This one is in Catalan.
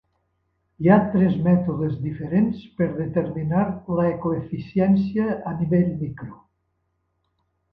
Hi ha tres mètodes diferents per determinar l'ecoeficiència a nivell micro.